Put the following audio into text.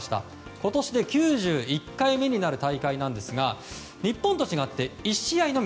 今年で９１回目になる大会なんですが日本と違って１試合のみ。